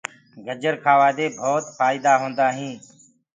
گرجر کآوآ دي ڀوتسآ ڦآئيدآ هوندآ هينٚ۔